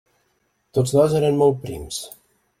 Tots dos eren molt prims.